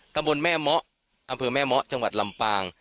ตำบลแม่เมาะอำเภอแม่เมาะจังหวัดลำปาง